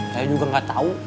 saya juga gak tau